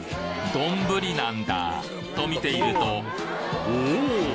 丼なんだと見ているとおぉ！